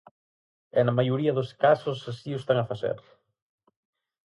E na maioría dos casos así o están a facer.